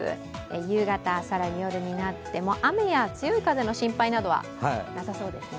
夕方、更に夜になっても雨や強い風の心配はなさそうですね。